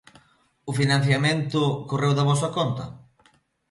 O financiamento correu da vosa conta?